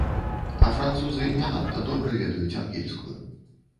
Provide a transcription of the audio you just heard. А французы не надта добра ведаюць ангельскую.